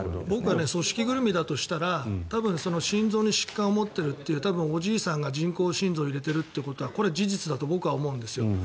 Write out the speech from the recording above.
僕は組織ぐるみだとしたら心臓に疾患を持っているという多分、おじいさんが人工心臓を入れてるということは事実だと僕は思うんですよ。